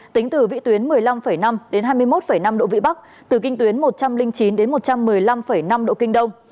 tính từ vị tuyến một mươi năm năm đến hai mươi một năm độ vị bắc từ kinh tuyến một trăm linh chín đến một trăm một mươi năm năm độ kinh đông